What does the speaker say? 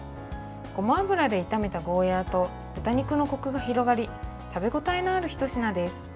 ごま油で炒めたゴーヤーと豚肉のこくが広がり食べ応えのあるひと品です。